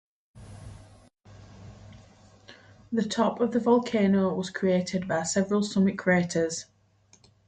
The top of the volcano was created by several summit craters.